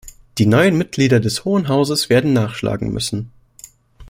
Die neuen Mitglieder des Hohen Hauses werden nachschlagen müssen.